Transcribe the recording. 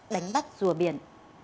đánh bắt rùa biển